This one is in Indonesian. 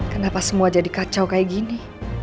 kenapa semua jadi kacau kayak gini